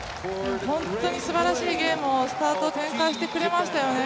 本当にすばらしいゲームをスタート、展開してくれましたよね